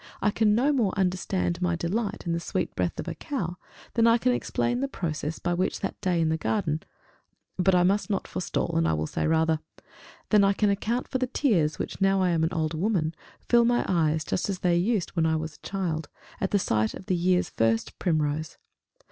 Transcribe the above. I can no more understand my delight in the sweet breath of a cow, than I can explain the process by which, that day in the garden but I must not forestall, and will say rather than I can account for the tears which, now I am an old woman, fill my eyes just as they used when I was a child, at sight of the year's first primrose.